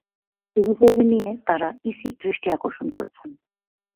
এ বিষয়টি নিয়ে তাঁরা ইসির দৃষ্টি আকর্ষণ করেছেন।